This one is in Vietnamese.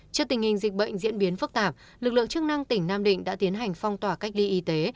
trước tình hình dịch bệnh diễn biến phức tạp lực lượng chức năng tỉnh nam định đã tiến hành phong tỏa cách ly y tế